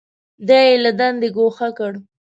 دی یې له دندې ګوښه کړ.